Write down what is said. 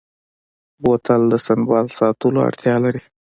بوتل د سنبال ساتلو اړتیا لري.